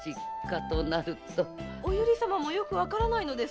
お由利様もよくわからないのですか？